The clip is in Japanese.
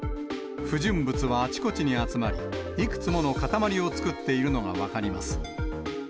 不純物はあちこちに集まり、いくつもの塊を作っているのが分かります。